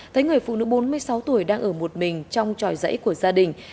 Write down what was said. thấy người phụ nữ bốn mươi sáu tuổi đang ở một mình trong tròi dãy của gia đình